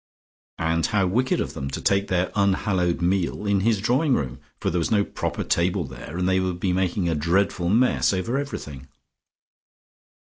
And how wicked of them to take their unhallowed meal in his drawing room, for there was no proper table there, and they would be making a dreadful mess over everything.